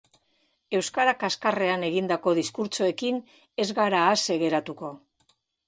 Euskara kaxkarrean egindako diskurtsoekin ez gara ase geratuko.